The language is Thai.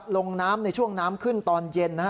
ลงน้ำในช่วงน้ำขึ้นตอนเย็น